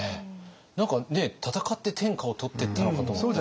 何か戦って天下を取ってったのかと思ったら。